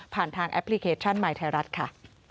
ทางแอปพลิเคชันใหม่ไทยรัฐค่ะ